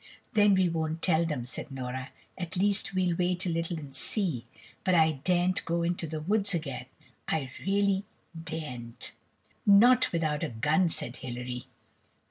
"Then we won't tell them," said Nora, "at least we'll wait a little and see. But I daren't go into the woods again; I really daren't." "Not without a gun," said Hilary.